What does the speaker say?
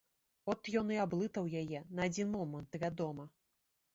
От ён і аблытаў яе, на адзін момант, вядома.